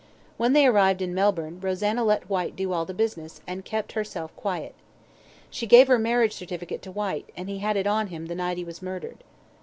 When they arrived in Melbourne, Rosanna let Whyte do all the business, and kept herself quiet. She gave her marriage certificate to Whyte, and he had it on him the night he was murdered."